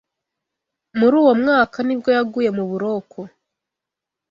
Muri uwo mwaka nibwo yaguye mu buroko